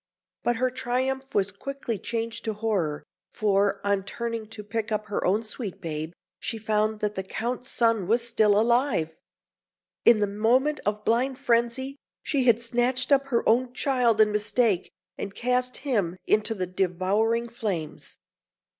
But her triumph was quickly changed to horror, for, on turning to pick up her own sweet babe, she found that the Count's son was still alive! In that moment of blind frenzy, she had snatched up her own child in mistake, and cast him into the devouring flames.